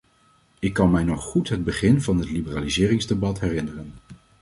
Ik kan mij nog goed het begin van het liberaliseringsdebat herinneren.